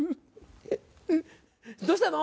どうしたの？